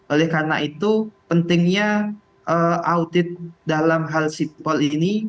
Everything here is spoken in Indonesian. oleh karena itu pentingnya audit dalam hal sipol ini